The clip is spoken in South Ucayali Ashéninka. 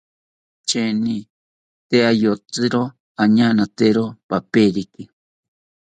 Sheeni tee iyotziro oñaanatero paperiki